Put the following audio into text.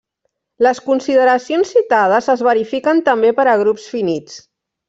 Les consideracions citades es verifiquen també per a grups finits.